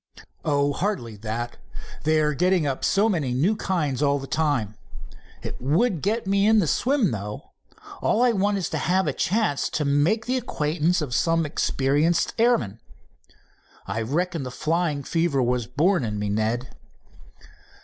"Oh, hardly that. They are getting up so many new kinds all of the time. It would get me into the swim, though. All I want is to have a chance to make the acquaintance of some expert airman. I reckon the flying fever was born in me, Ned."